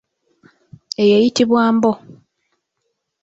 Eyo eyitibwa mbo.